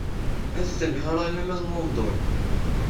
Ad tenheṛ arma d London.